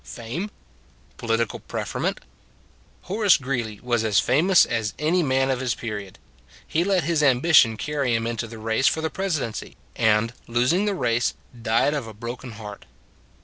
Fame? Political preferment? Horace Greeley was as famous as any man of his period; he let his ambition carry him into the race for the Presidency, and losing the race, died of a broken heart.